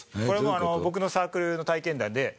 これ僕のサークルの体験談で。